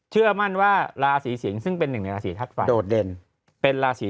เชื่อมั่นว่าราศีสิงศ์ซึ่งเป็นหนึ่งในราศีทัศน์โดดเด่นเป็นราศี